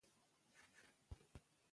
خو بيا هم پوهه نشوه په يــارۍ بلا وهــلې.